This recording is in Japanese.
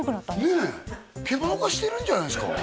獣化してるんじゃないですか？